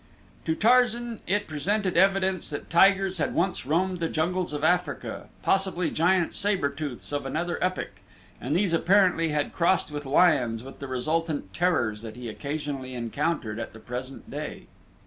To Tarzan it presented evidence that tigers had once roamed the jungles of Africa, possibly giant saber tooths of another epoch, and these apparently had crossed with lions with the resultant terrors that he occasionally encountered at the present day.